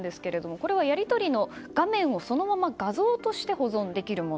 これはやり取りの画面をそのまま画像として保存できるもの。